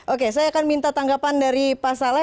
oke saya akan minta tanggapan dari pak saleh